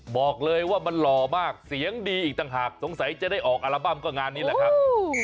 บอกเลยว่ามันหล่อมากเสียงดีอีกต่างหากสงสัยจะได้ออกอัลบั้มก็งานนี้แหละครับ